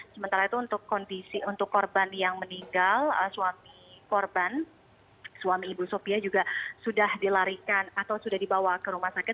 sementara itu untuk korban yang meninggal suami korban suami ibu sofia juga sudah dilarikan atau sudah dibawa ke rumah sakit